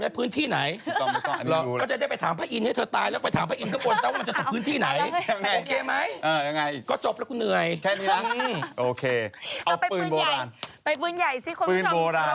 ไปปืนใหญ่ที่คนชมรออยู่เนี่ยอยากรู้จริง